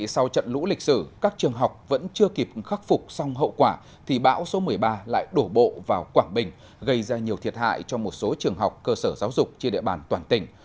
sau trận lũ lịch sử các trường học vẫn chưa kịp khắc phục xong hậu quả thì bão số một mươi ba lại đổ bộ vào quảng bình gây ra nhiều thiệt hại cho một số trường học cơ sở giáo dục trên địa bàn toàn tỉnh